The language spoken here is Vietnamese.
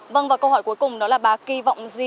vâng và câu hỏi cuối cùng đó là bà kỳ vọng gì